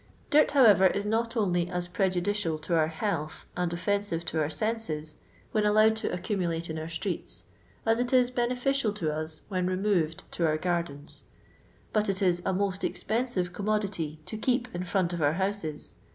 Dirt, however, is not only as prejudicial to our health and offensive to our senses, when allowed to accumulate in our streets, as it is beneficial to us when removed to our gardens, — but it is a most expensive commodity to keep in front of our houses.